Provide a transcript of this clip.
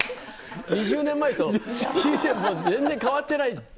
２０年前と、全然変わってない。